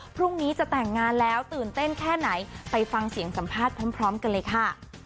พรุ่งนี้จะแต่งงานแล้วตื่นเต้นแค่ไหนไปฟังเสียงสัมภาษณ์พร้อมกันเลยค่ะ